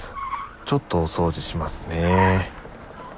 ちょっとお掃除しますね。